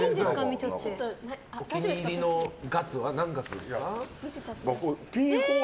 お気に入りは何月ですか？